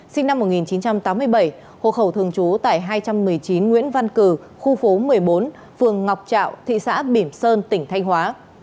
sinh năm một nghìn chín trăm tám mươi bảy hộ khẩu thường trú tại hai trăm một mươi chín nguyễn văn cử khu phố một mươi bốn phường ngọc trạo thị xã bỉm sơn tỉnh thanh hóa